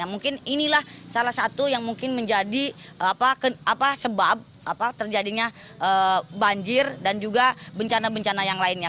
mungkin inilah salah satu yang mungkin menjadi sebab terjadinya banjir dan juga bencana bencana yang lainnya